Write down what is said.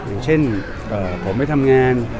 อย่างเช่นผมไม่ทำงาน